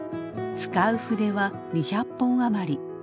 使う筆は２００本余り。